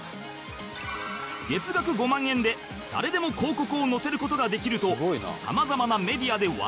月額５万円で誰でも広告を載せる事ができるとさまざまなメディアで話題になっている